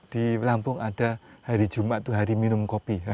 di lampung ada hari jumat itu hari minum kopi